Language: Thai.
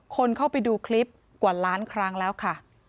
คนเข้าไปดูคลิปกว่าล้านครั้งแล้วค่ะ